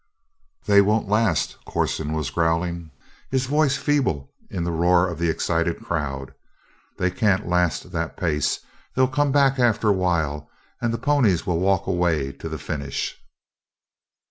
"They won't last," Corson was growling, his voice feeble in the roar of the excited crowd. "They can't last that pace. They'll come back after a while and the ponies will walk away to the finish."